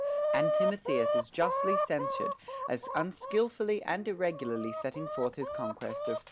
And Timotheus is justly censured as unskilfully and irregularly setting forth his conquest of * Pindar, Olymp.